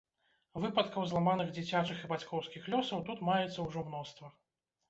Выпадкаў зламаных дзіцячых і бацькоўскіх лёсаў тут маецца ўжо мноства.